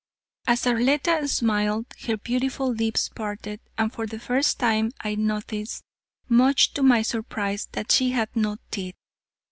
As Arletta smiled, her beautiful lips parted and for the first time I noticed, much to my surprise, that she had no teeth.